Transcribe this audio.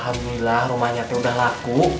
alhamdulillah rumahnya sudah laku